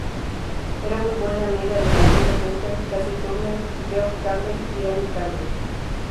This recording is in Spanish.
Era muy buena amiga de Matilda Hunter, Cassie Turner, Geoff Campbell y Annie Campbell.